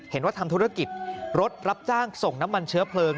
เห็นว่าทำธุรกิจรถรับจ้างส่งน้ำมันเชื้อเพลิง